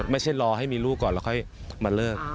ไม่ใช่รอให้มีลูกก่อนแล้วค่อยมาเลิก